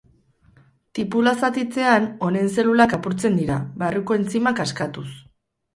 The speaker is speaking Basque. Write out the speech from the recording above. Tipula zatitzean, honen zelulak apurtzen dira, barruko entzimak askatuz.